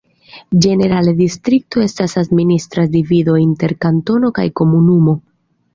Ĝenerale distrikto estas administra divido inter kantono kaj komunumo.